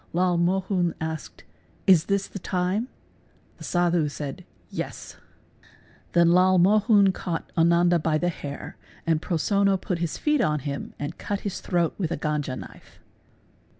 '' al Mohun asked © "Ts this the time?'' The Sadhu said " Yes." Then Lal Mohun caught Ananda by the hair and Prosonno put his feet on him and cut his throat — with a ganja knife.